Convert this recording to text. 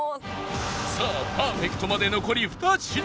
さあパーフェクトまで残り２品